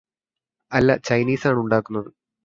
അല്ലാ ചൈനീസാണ് ഉണ്ടാക്കുന്നത്